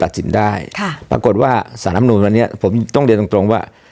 สินได้ค่ะปรากฏว่าสารลำนูนวันนี้ผมต้องเรียนตรงตรงว่า